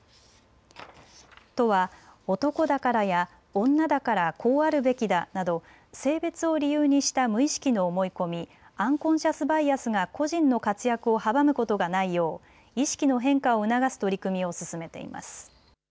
都は男だからや女だからこうあるべきだなど性別を理由にした無意識の思い込み、アンコンシャスバイアスが個人の活躍を阻むことがないよう意識の変化を促す取り組みを進めています。